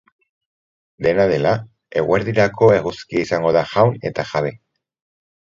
Dena dela, eguerdirako eguzkia izango da jaun eta jabe.